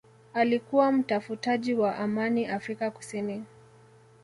alikuwa mtafutaji wa amani Afrika Kusini